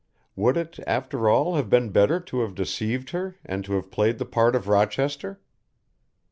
Would it, after all, have been better to have deceived her and to have played the part of Rochester?